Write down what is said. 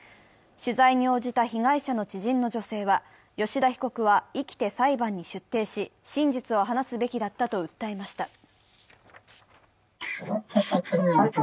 取材に応じた被害者の知人の女性は、吉田被告は生きて裁判に出廷し、真実を話すべきだったと訴えました。